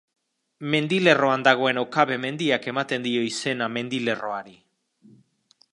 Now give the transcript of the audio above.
Mendilerroan dagoen Okabe Mendiak ematen dio izena mendilerroari.